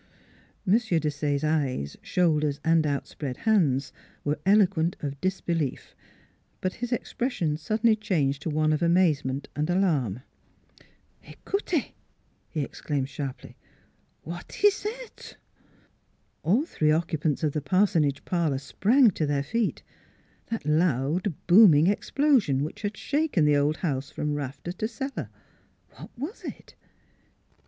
" M. Desaye's eyes, shoulders, and outspread hands were eloquent of disbelief: but his expres sion suddenly changed to one of amazement and alarm. 300 NEIGHBORS " Ecoutez! " he exclaimed sharply, " what ees zat?" All three occupants of the parsonage parlor sprang to their feet: That loud, booming ex plosion which had shaken the old house from rafter to cellar what was it?